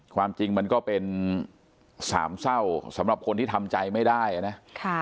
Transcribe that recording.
ความจริงมันก็เป็นสามเศร้าสำหรับคนที่ทำใจไม่ได้นะ